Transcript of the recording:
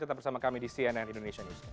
tetap bersama kami di cnn indonesia news